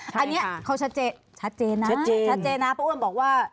ใช่ค่ะอันนี้เขาชัดเจนชัดเจนนะชัดเจนชัดเจนนะพระอุ่นบอกว่า